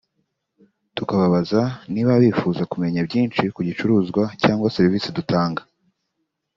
tukababaza niba bifuza kumenya byinshi ku gicuruzwa cyangwa serivisi dutanga